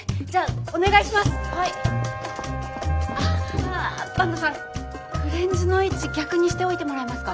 あっ坂東さんフレンズの位置逆にしておいてもらえますか？